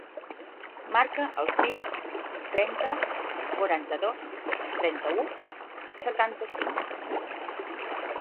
Marca el sis, trenta, quaranta-dos, trenta-u, setanta-cinc.